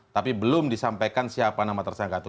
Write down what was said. tapi belum disampaikan siapa nama tersangka itu